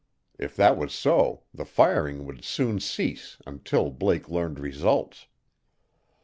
If that was so, the firing would soon cease until Blake learned results.